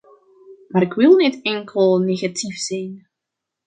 Maar ik wil niet enkel negatief zijn.